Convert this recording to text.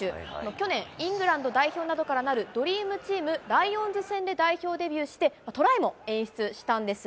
去年、イングランド代表などからなるドリームチーム、ライオンズ戦で代表デビューして、トライも演出したんです。